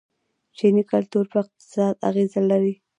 چیني کلتور په اقتصاد اغیز لري.